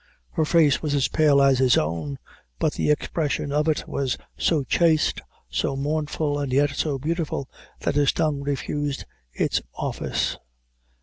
Her face was as pale as his own, but the expression of it was so chaste, so mournful, and yet so beautiful, that his tongue refused its office.